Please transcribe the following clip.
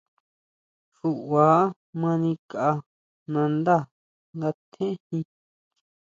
Xuʼba ma nikʼa nandá nga tjéjin.